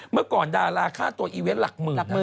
เมื่อก่อนดาราค่าตัวอีเวนต์หลักหมื่น